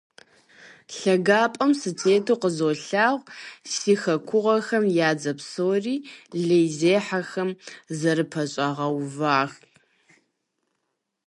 Лъагапӏэм сытету къызолъагъу, си хэкуэгъухэм я дзэ псори лейзехьэхэм зэрыпэщӏагъэувар.